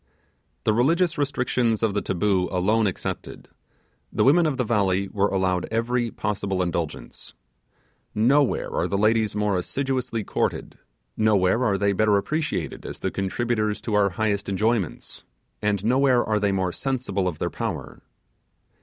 The religious restrictions of the taboo alone excepted, the women of the valley were allowed every possible indulgence. Nowhere are the ladies more assiduously courted; nowhere are they better appreciated as the contributors to our highest enjoyments; and nowhere are they more sensible of their power.